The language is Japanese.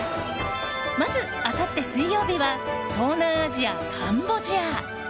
まず、あさって水曜日は東南アジア・カンボジア。